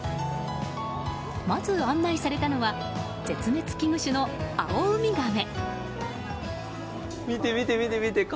まず案内されたのは絶滅危惧種のアオウミガメ。